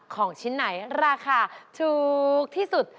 ของชิ้นไหนราคาถูกที่สุด